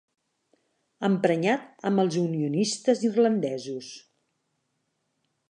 Emprenyat amb els unionistes irlandesos.